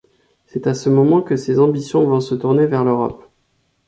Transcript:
C'est à ce moment que ses ambitions vont se tourner vers l'Europe.